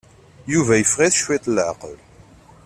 Yuba yeffeɣ-it cwiṭ leɛqel.